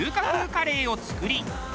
カレーを作り